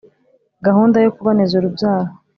gahunda yo kuboneza urubyaro